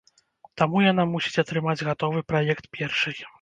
Таму яна мусіць атрымаць гатовы праект першай.